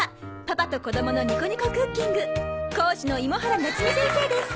パパとこどものニコニコクッキング講師の芋原なつみ先生です。